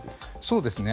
そうですね。